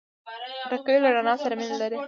خټکی له رڼا سره مینه لري.